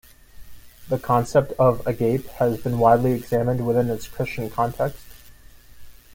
The concept of "agape" has been widely examined within its Christian context.